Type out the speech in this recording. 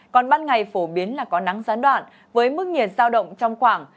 còn ban ngày phổ biến là có nắng gián đoạn với mức nhiệt giao động trong khoảng